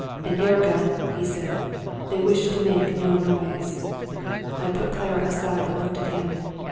" An air gun," he said. " They wish to make no noise." I put Clara aside, and looked at him.